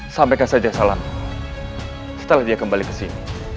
sampaikan saja salam setelah dia kembali ke sini